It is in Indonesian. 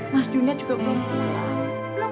mas juna juga belum punya